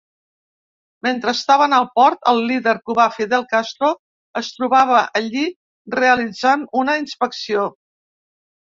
Mentre estaven al port, el líder cubà Fidel Castro es trobava allí realitzant una inspecció.